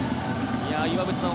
岩渕さん